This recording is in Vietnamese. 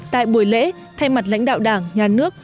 tại buổi lễ thay mặt lãnh đạo đảng nhà nước